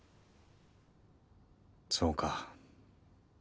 そうか。